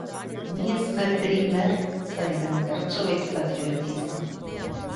Ние сме пример за еден грчовит патриотизам.